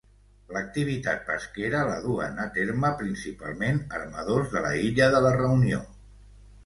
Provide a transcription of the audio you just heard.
L'activitat pesquera la duen a terme, principalment, armadors de l'illa de la Reunió.